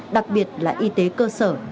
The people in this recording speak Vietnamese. đặc biệt là y tế cơ sở